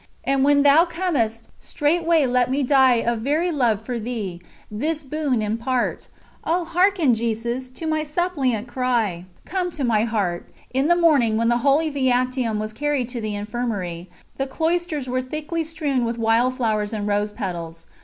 And when Thou comest, straightway let me die Of very love for Thee; this boon impart! Oh, hearken Jesus, to my suppliant cry: Come to my heart! In the morning, when the Holy Viaticum was carried to the Infirmary, the cloisters were thickly strewn with wild flowers and rose petals.